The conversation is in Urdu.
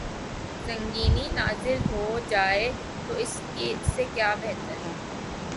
رنگینی نازل ہو جائے تو اس سے کیا بہتر۔